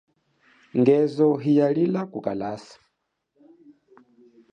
Ngezo hiya lila kukalasa.